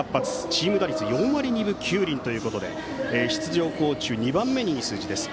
チーム打率４割２分９厘ということで出場校中２番目にいい数字です。